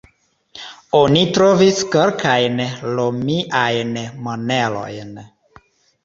Oni trovis kelkajn romiajn monerojn.